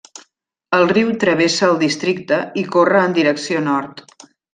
El riu travessa el districte i corre en direcció nord.